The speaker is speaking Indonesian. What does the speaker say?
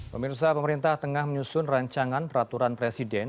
pemirsa pemerintah tengah menyusun rancangan peraturan presiden